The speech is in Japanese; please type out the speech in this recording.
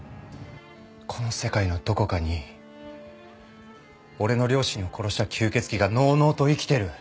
この世界のどこかに俺の両親を殺した吸血鬼がのうのうと生きてる。